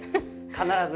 必ず。